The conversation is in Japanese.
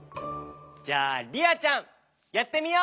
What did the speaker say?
じゃありあちゃんやってみよう。